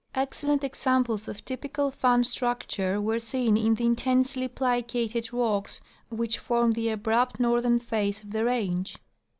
Excellent examples of typical fan structure were seen in the intensely plicated rocks which form the abrupt northern face of the range.